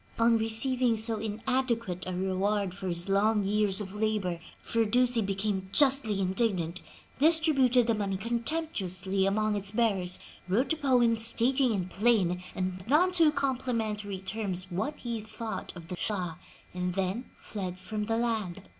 On receiving so inadequate a reward for his long years of labor, Firdusi became justly indignant, distributed the money contemptuously among its bearers, wrote a poem stating in plain and none too complimentary terms what he thought of the Shah, and then fled from the land.